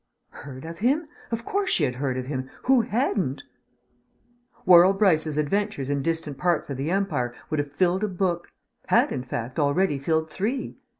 Heard of him? Of course she had heard of him. Who hadn't? Worrall Brice's adventures in distant parts of the empire would have filled a book had, in fact, already filled three.